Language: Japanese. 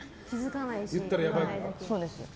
言ったらやばいから。